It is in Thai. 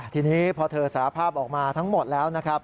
ทีนี้พอเธอสารภาพออกมาทั้งหมดแล้วนะครับ